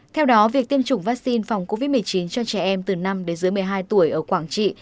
theo đó việc tiêm chủng vaccine phòng covid một mươi chín cho trẻ em từ năm đến dưới một mươi hai tuổi ở quảng trị